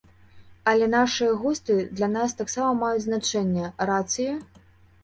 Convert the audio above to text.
Але нашыя густы для нас таксама маюць значэнне, рацыя?